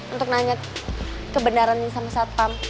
untuk nanya kebenarannya sama satpam